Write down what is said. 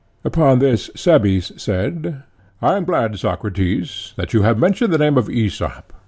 Upon this Cebes said: I am glad, Socrates, that you have mentioned the name of Aesop.